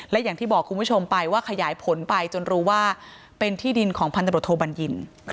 และอย่างที่บอกคุณผู้ชมไปว่าขยายผลไปจนรู้ว่าเป็นที่ดินของพันธบทโทบัญญิน